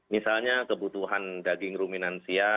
misalnya kebutuhan daging ruminansia